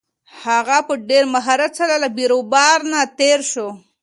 هغه په ډېر مهارت سره له بېروبار نه تېر شو.